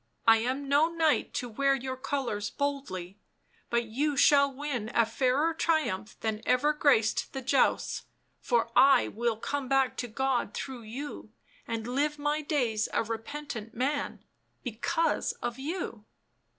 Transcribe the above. I am no knight to wear your colours boldly — but you shall win a fairer triumph than ever graced the jousts, for I will come back to God through you and live my days a repentant man — because of you."